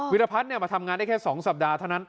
วิรพัทมาทำงานได้แค่สองสัปดาห์เท่านั้น